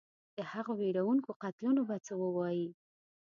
د هغو وېروونکو قتلونو به څه ووایې.